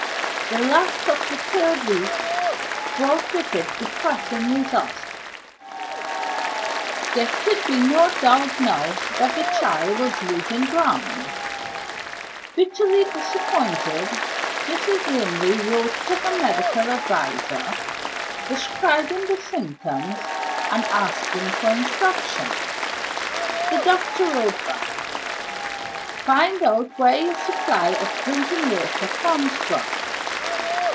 The lapse of the third week brought with it depressing results. There could be no doubt now that the child was losing ground. Bitterly disappointed, Mrs. Linley wrote to her medical adviser, describing the symptoms, and asking for instructions. The doctor wrote back: "Find out where your supply of drinking water comes from.